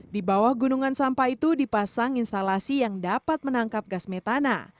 di bawah gunungan sampah itu dipasang instalasi yang dapat menangkap gas metana